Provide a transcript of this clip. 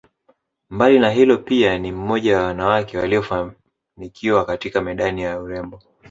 Mbali na hilo pia ni mmoja ya wanawake waliofanikiwa katika medani ya urembo